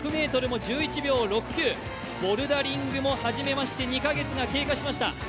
１００ｍも１１秒６９、ボルダリングも始めまして２カ月が経過しました。